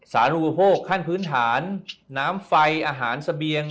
อุปโภคขั้นพื้นฐานน้ำไฟอาหารเสบียง